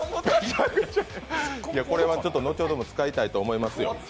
これは後ほども使いたいと思いますよ。